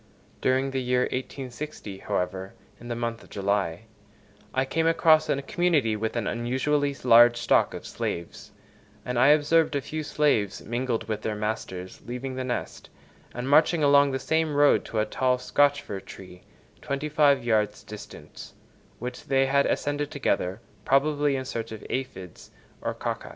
During the year 1860, however, in the month of July, I came across a community with an unusually large stock of slaves, and I observed a few slaves mingled with their masters leaving the nest, and marching along the same road to a tall Scotch fir tree, twenty five yards distant, which they ascended together, probably in search of aphides or cocci.